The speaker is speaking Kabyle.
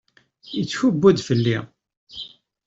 Yettkubbu-d fell-i.